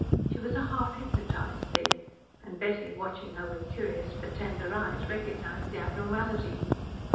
She was a half hypnotised thing, and Betty, watching her with curious but tender eyes, recognised the abnormality.